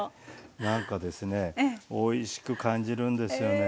なんかですねおいしく感じるんですよね。